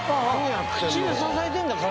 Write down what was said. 口で支えてんだ体。